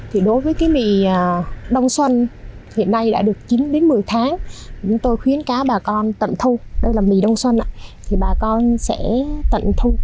huyện này là thật tế